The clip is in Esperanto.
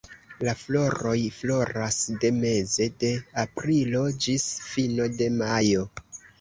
La floroj floras de meze de aprilo ĝis fino de majo.